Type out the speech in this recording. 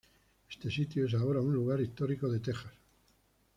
Este sitio es ahora un lugar histórico en Texas.